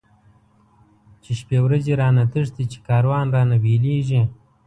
چی شپی ورځی رانه تښتی، چی کاروان رانه بيليږی